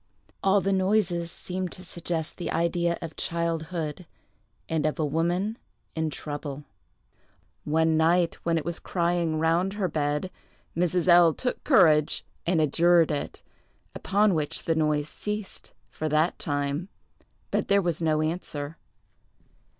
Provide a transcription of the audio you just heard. All the noises seemed to suggest the idea of childhood, and of a woman in trouble. One night, when it was crying round her bed, Mrs. L—— took courage and adjured it; upon which the noise ceased, for that time, but there was no answer.